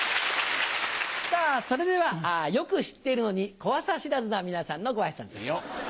さぁそれではよく知っているのにコアサ知らずな皆さんのご挨拶です。